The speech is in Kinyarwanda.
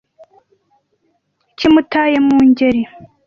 Kimutaye mu ngeri